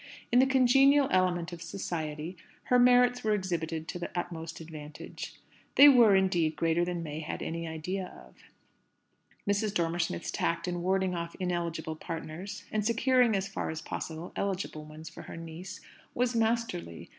In the congenial element of "society," her merits were exhibited to the utmost advantage. They were, indeed, greater than May had any idea of; Mrs. Dormer Smith's tact in warding off ineligible partners, and securing as far as possible eligible ones for her niece, was masterly.